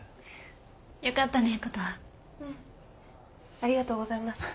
ありがとうございます。